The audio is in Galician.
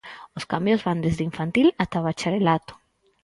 Os cambios van desde infantil ata bacharelato.